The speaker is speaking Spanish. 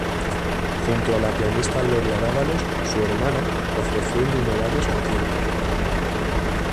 Junto a la pianista Gloria Dávalos, su hermana, ofreció innumerables conciertos.